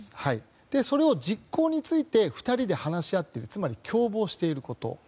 実行について２人で話し合っているつまり共謀しているということ。